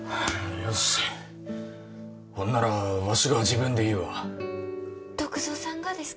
よしほんならわしが自分で言うわ篤蔵さんがですか？